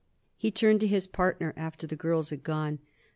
He turned to his partner after the girls had gone.